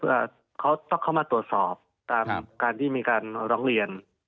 ว่าเขาต้องเข้ามาตรวจสอบตามการที่มีการร้องเรียน